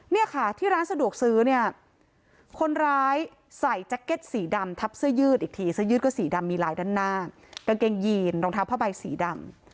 เนี่ยค่ะที่ร้านสะดวกซื้อเนี่ยคนร้ายใส่แจ็คเก็ตสีดำทับเสื้อยืดอีกทีเสื้อยืดก็สีดำมีลายด้านหน้ากางเกงยีนรองเท้าผ้าใบสีดำ